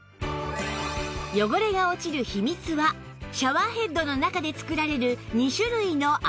汚れが落ちる秘密はシャワーヘッドの中で作られる２種類の泡